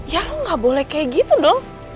ya lo gak boleh kayak gitu dong